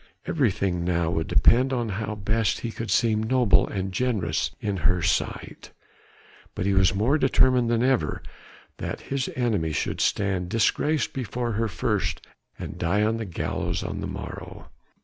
Everything now would depend on how best he could seem noble and generous in her sight; but he was more determined than ever that his enemy should stand disgraced before her first and die on the gallows on the morrow.